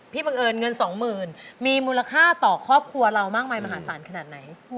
บังเอิญเงิน๒๐๐๐มีมูลค่าต่อครอบครัวเรามากมายมหาศาลขนาดไหน